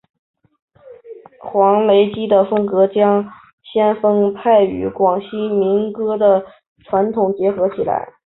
黄雷基的风格将先锋派与广西民歌的传统结合起来。